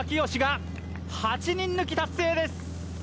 紫が８人抜き達成です。